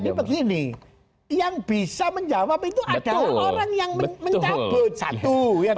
jadi begini yang bisa menjawab itu adalah orang yang mencabut